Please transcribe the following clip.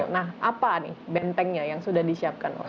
nah apa nih bentengnya yang sudah disiapkan